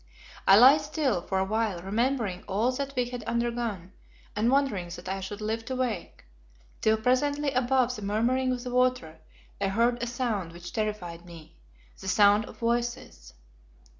I lay still for a while remembering all that we had undergone and wondering that I should live to wake, till presently above the murmuring of the water I heard a sound which terrified me, the sound of voices.